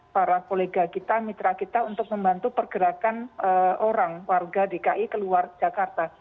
para kolega kita mitra kita untuk membantu pergerakan orang warga dki keluar jakarta